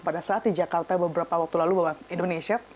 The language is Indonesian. pada saat di jakarta beberapa waktu lalu bahwa indonesia